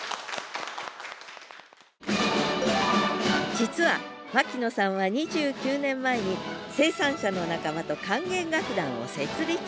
実は牧野さんは２９年前に生産者の仲間と管弦楽団を設立。